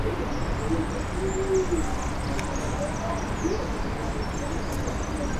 Publicó una numerosa serie de artículos en revistas especializadas.